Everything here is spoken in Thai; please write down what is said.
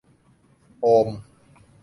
โอม